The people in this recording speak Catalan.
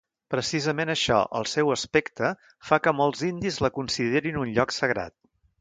Precisament això, el seu aspecte, fa que molts indis la considerin un lloc sagrat.